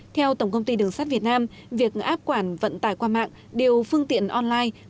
theo tổng công ty đường sắt việt nam việc áp quản vận tải qua mạng điều phương tiện online